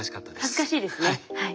恥ずかしいですねはい。